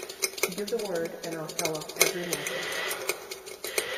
Give the word, and I'll sell off every morsel.